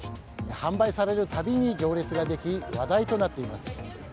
販売されるたびに行列ができ話題となっています。